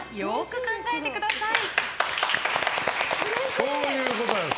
そういうことなんです。